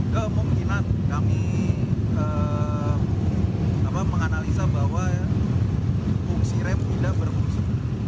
kemungkinan kami menganalisa bahwa fungsi rem tidak berfungsi